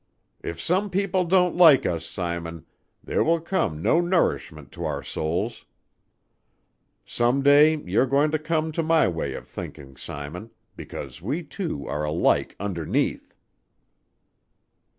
If some people don't like us, Simon, there will come no nourishment to our souls. Some day you're going to come to my way o' thinking, Simon, because we two are alike underneath."